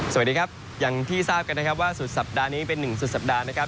สวัสดีครับอย่างที่ทราบกันนะครับว่าสุดสัปดาห์นี้เป็นหนึ่งสุดสัปดาห์นะครับ